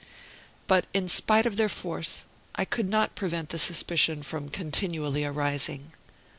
But in spite of their force I could not prevent the suspicion from continually arising.